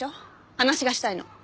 話がしたいの。